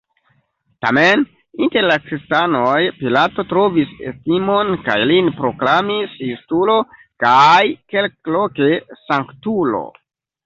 Tamen, inter la kristanoj Pilato trovis estimon kaj lin proklamis justulo kaj, kelkloke, sanktulo.